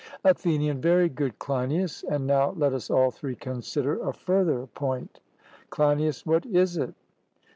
ATHENIAN: Very good, Cleinias; and now let us all three consider a further point. CLEINIAS: What is it?